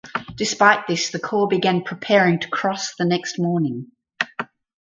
Despite this the Corps began preparing to cross the next morning.